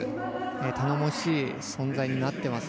頼もしい存在になってます。